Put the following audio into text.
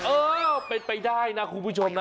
เออเป็นไปได้นะคุณผู้ชมนะ